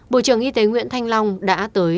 bộ trưởng y tế nguyễn thanh long đã tới